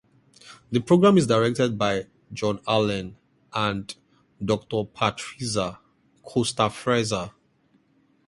The program is directed by John Allen and Doctor Patrizia Costa Frezza.